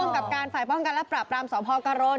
กับการฝ่ายป้องกันและปราบรามสพกรณ